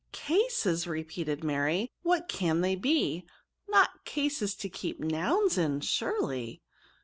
" Cases!'* repeated Mary, " what can they be? not cases to keep nouns in surely?"